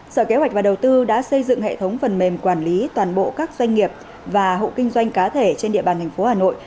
sở kế hoạch và đầu tư đã xây dựng hệ thống phần mềm quản lý toàn bộ các doanh nghiệp và hộ kinh doanh cá thể trên địa bàn thành phố hà nội